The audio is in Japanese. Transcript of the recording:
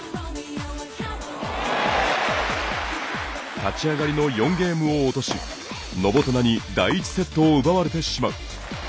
立ち上がりの４ゲームを落としノボトナに第１セットを奪われてしまう。